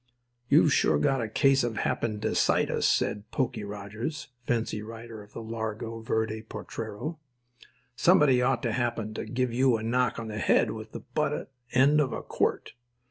"You've sure got a case of happenedicitis," said Poky Rodgers, fence rider of the Largo Verde potrero. "Somebody ought to happen to give you a knock on the head with the butt end of a quirt.